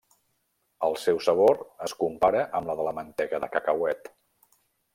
El seu sabor es compara amb la de la mantega de cacauet.